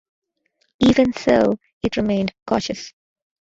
Even so, it remained cautious.